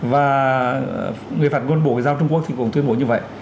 và người phát ngôn bộ ngoại giao trung quốc thì cũng tuyên bố như vậy